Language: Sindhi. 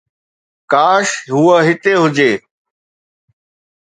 ڪاش هوءَ هتي هجي